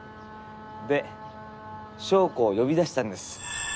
で祥子を呼び出したんです。